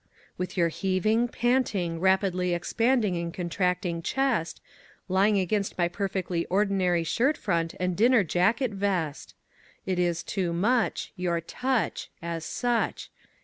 With your heaving, panting, rapidly expanding and contracting chest, Lying against my perfectly ordinary shirt front and dinner jacket vest. It is too much Your touch As such.